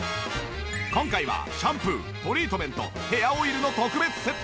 今回はシャンプートリートメントヘアオイルの特別セット。